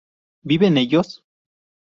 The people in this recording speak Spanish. ¿viven ellos?